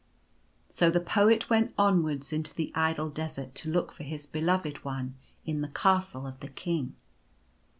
So, the Poet went onwards into the idle desert to look for his Beloved One in the Castle of the King.